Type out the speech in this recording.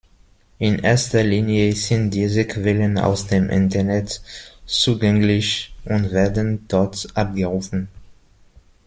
In erster Linie sind diese Quellen aus dem Internet zugänglich und werden dort abgerufen.